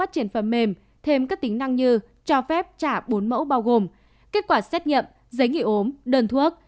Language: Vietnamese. nền phần mềm thêm các tính năng như cho phép trả bốn mẫu bao gồm kết quả xét nhậm giấy nghị ốm đơn thuốc